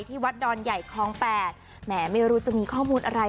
วัดดอนใหญ่คลอง๘แหมไม่รู้จะมีข้อมูลอะไร